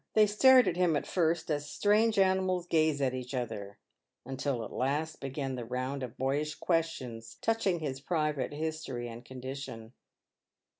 They stared at him at first as strange animals gaze at each other, until at last began the round of boyish questions touching his private history and condition.